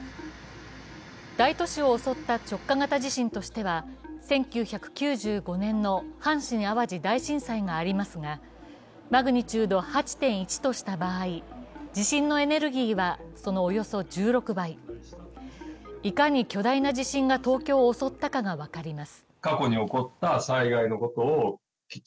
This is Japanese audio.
大都市を襲った直下型地震としては１９９５年の阪神・淡路大震災がありますがマグニチュード８．１とした場合、地震のエネルギーはそのおよそ１６倍、いかに巨大な地震が東京を襲ったかが分かります。